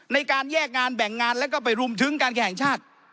ในการแยกงานแบ่งงานแล้วก็ไปรุมถึงการแข่งชาติ